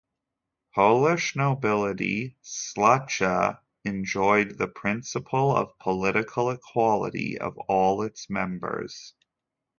Polish nobility "szlachta" enjoyed the principle of political equality of all its members.